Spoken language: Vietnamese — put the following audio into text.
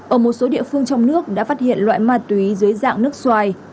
ở một số địa phương trong nước đã phát hiện loại ma túy dưới dạng nước xoài